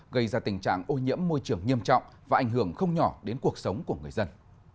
gây ra tình trạng ô nhiễm môi trường nghiêm trọng và ảnh hưởng không nhỏ đến cuộc sống của người dân